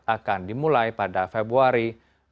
akan dimulai pada februari